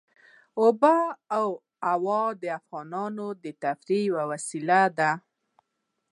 آب وهوا د افغانانو د تفریح یوه وسیله ده.